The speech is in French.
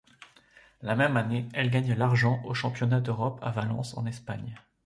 La même année, elle gagne l'argent aux championnats d'Europe à Valence en Espagne.